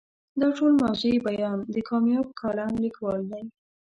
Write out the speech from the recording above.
دا ټول موضوعي بیان د کامیاب کالم لیکوال دی.